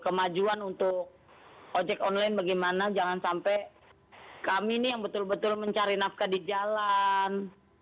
kemajuan untuk ojek online bagaimana jangan sampai kami nih yang betul betul mencari nafkah di jalan